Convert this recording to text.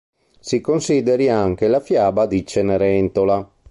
Si consideri anche la fiaba di Cenerentola.